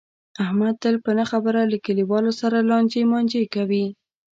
احمد تل په نه خبره له کلیواو سره لانجې مانجې کوي.